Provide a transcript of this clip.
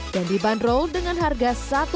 dan dibanderol dengan harga satu tujuh